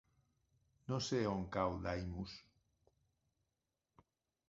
No sé on cau Daimús.